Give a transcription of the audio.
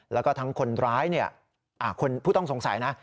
แล้วก็ทั้งคนร้ายคนผู้ต้องสงสัยนะ